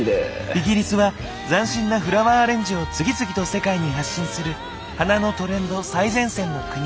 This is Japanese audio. イギリスは斬新なフラワーアレンジを次々と世界に発信する花のトレンド最前線の国。